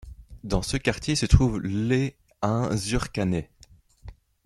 Dans ce quartier se trouvent l' et un zurkhaneh.